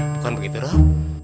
bukan begitu rob